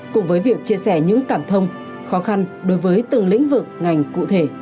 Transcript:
cùng với việc chia sẻ những cảm thông khó khăn đối với từng lĩnh vực ngành cụ thể